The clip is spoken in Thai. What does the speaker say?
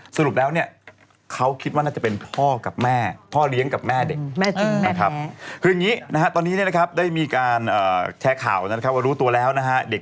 สรุปแล้วเขาคิดว่าน่าจะเป็นพ่อกับแม่พ่อเลี้ยงกับแม่เด็ก